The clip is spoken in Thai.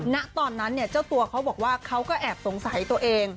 ณตอนนั้นเจ้าตัวเขาบอกว่าเขาก็แอบสงสัยตัวเอง